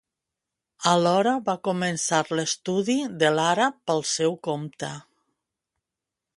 Alhora va començar l'estudi de l'àrab pel seu compte.